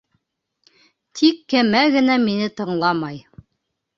Тик кәмә генә мине тыңламай.